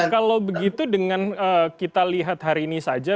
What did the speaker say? kalau begitu dengan kita lihat hari ini saja